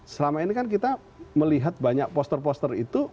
selama ini kan kita melihat banyak poster poster itu